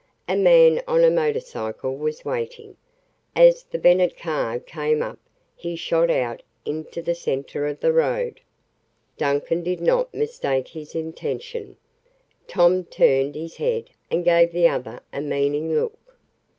A man on a motor cycle was waiting. As the Bennet car came up he shot out into the center of the road. Duncan did not mistake his intention. Tom turned his head and gave the other a meaning look.